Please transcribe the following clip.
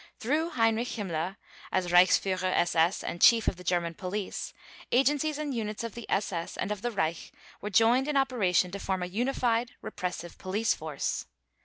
Through Heinrich Himmler, as Reichsführer SS and Chief of the German Police, agencies and units of the SS and of the Reich were joined in operation to form a unified repressive police force.